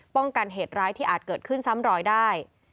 ป้องกันเหตุร้ายที่อาจเกิดขึ้นซ้ำรอยได้